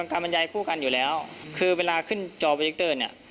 บรรยายคู่กันอยู่แล้วคือเวลาขึ้นจอโปรดิกเตอร์เนี่ย